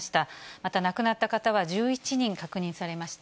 また亡くなった方は１１人確認されました。